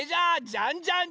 「じゃんじゃん！